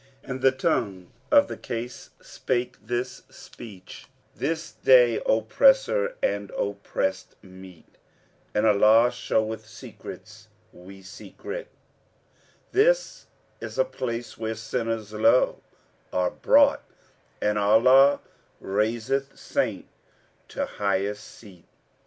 And the tongue of the case spake this speech, "This day oppressor and oppressed meet, * And Allah sheweth secrets we secrete: This is a place where sinners low are brought; * And Allah raiseth saint to highest seat.